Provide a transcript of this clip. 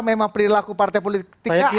memang perilaku partai politiknya